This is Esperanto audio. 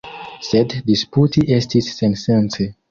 Sed disputi estis sensence.